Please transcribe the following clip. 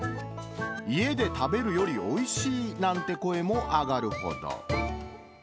家で食べるよりおいしいなんて声も上がるほど。